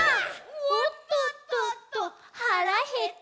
「おっとっとっと腹減った」